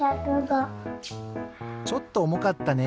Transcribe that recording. ちょっとおもかったね。